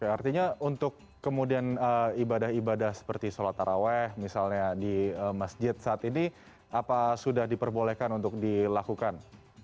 artinya untuk kemudian ibadah ibadah seperti sholat taraweh misalnya di masjid saat ini apa sudah diperbolehkan untuk dilakukan